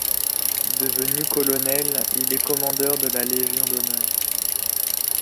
Devenu colonel, il est commandeur de la Légion d'honneur.